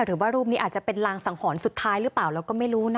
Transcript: หรือว่ารูปนี้อาจจะเป็นรางสังหรณ์สุดท้ายหรือเปล่าเราก็ไม่รู้นะ